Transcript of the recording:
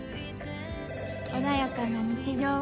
「穏やかな日常を」